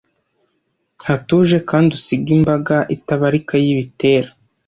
hatuje kandi usige imbaga itabarika yibitera